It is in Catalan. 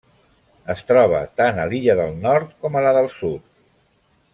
Es troba tant a l'illa del Nord com a la del Sud.